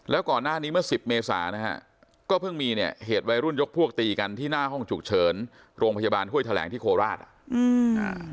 แล้วก่อนหน้านี้เมื่อสิบเมษานะฮะก็เพิ่งมีเนี่ยเหตุวัยรุ่นยกพวกตีกันที่หน้าห้องฉุกเฉินโรงพยาบาลห้วยแถลงที่โคราชอ่ะอืมอ่า